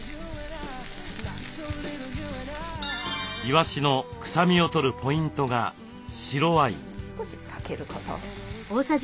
いわしの臭みをとるポイントが白ワイン。